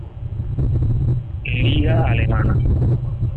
Liga Alemana.